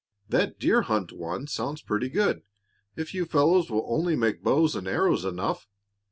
"That deer hunt one sounds pretty good, if you fellows will only make bows and arrows enough.